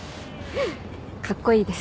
カッコイイです。